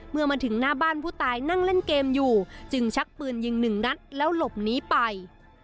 เมื่อมาถึงหน้าบ้านผู้ตายนั่งเล่นเกมอยู่จึงชักปืนยิงหนึ่งนัดแล้วหลบหนีไป